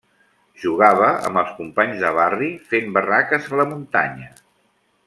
Jugava amb els companys de barri, fent barraques a la muntanya.